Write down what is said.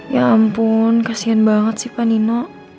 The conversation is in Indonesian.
ya ampun kasihan banget sih pak nino